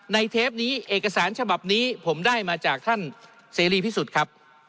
เทปนี้เอกสารฉบับนี้ผมได้มาจากท่านเสรีพิสุทธิ์ครับ